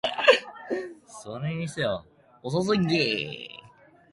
｢それによ……落ちこぼれだって必死で努力すりゃエリートを超えることがあるかもよ｣